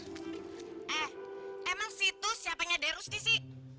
eh emang situ siapanya derus di si